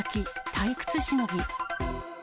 退屈しのぎ。